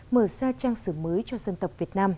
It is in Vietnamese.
mở ra trang sử mới cho dân tộc